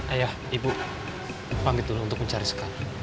ayah ibu bangkit dulu untuk mencari sekal